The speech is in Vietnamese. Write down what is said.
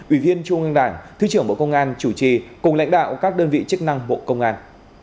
ủy viên trung ương đảng thứ trưởng bộ công an chủ trì cùng lãnh đạo các đơn vị chức năng bộ công an